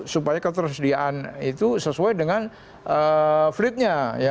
supaya ketersediaan itu sesuai dengan fleetnya ya